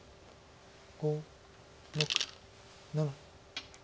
５６７。